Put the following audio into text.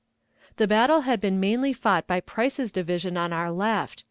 The battle had been mainly fought by Price's division on our left.